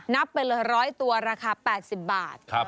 นับไปเลย๑๐๐ตัวราคา๘๐บาท